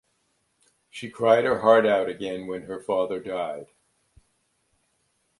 She cried her heart out again when her father died.